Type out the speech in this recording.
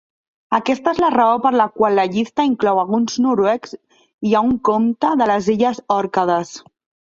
Aquesta és la raó per la qual la llista inclou alguns noruecs i a un comte de les illes Òrcades.